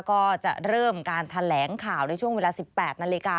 ก็จะเริ่มการแถลงข่าวในช่วงเวลา๑๘นาฬิกา